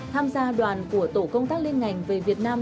tham gia đoàn của tổ công tác liên ngành về việt nam